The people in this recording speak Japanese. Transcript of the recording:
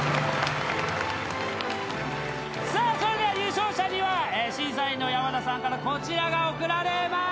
それでは優勝者には審査員の山田さんからこちらが贈られます。